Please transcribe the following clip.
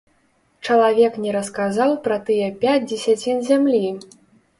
Чалавек не расказаў пра тыя пяць дзесяцін зямлі.